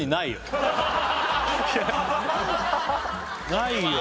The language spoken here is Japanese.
ないよ